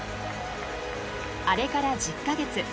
あれから１０か月。